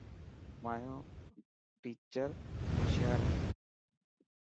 مايو ٽيچر هوشيار هي.